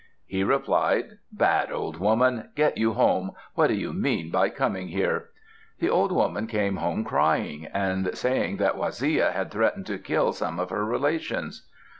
He replied, "Bad old woman, get you home; what do you mean by coming here?" The old woman came home crying, and saying that Waziya had threatened to kill some of her relations.